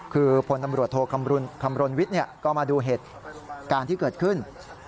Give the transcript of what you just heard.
คือพลตำรวจโทคำรณวิทย์ก็มาดูเหตุการณ์ที่เกิดขึ้น